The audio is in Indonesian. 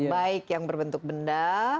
baik yang berbentuk benda